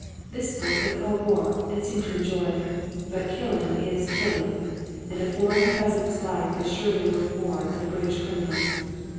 This sport they call war and seem to enjoy it. But killing is killing; and a foreign peasant's life is surely worth more than a British criminal's.